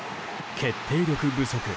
決定力不足。